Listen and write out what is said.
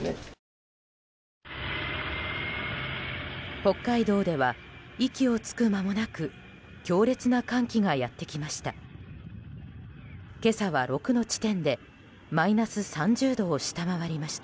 北海道では息をつく間もなく強烈な寒気がやってきました。